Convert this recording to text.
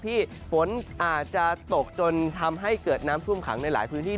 ฝนอาจจะตกจนทำให้เกิดน้ำท่วมขังในหลายพื้นที่